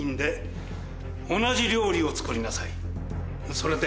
それで。